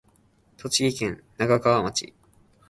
栃木県那珂川町